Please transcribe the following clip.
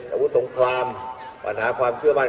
อาวุธสงครามปัญหาความเชื่อมั่น